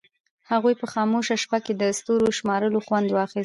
هغوی په خاموشه شپه کې د ستورو شمارلو خوند واخیست.